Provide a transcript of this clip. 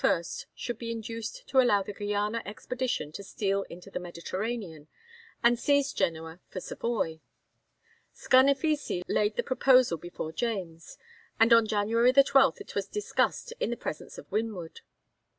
should be induced to allow the Guiana expedition to steal into the Mediterranean, and seize Genoa for Savoy. Scarnafissi laid the proposal before James, and on January 12 it was discussed in the presence of Winwood.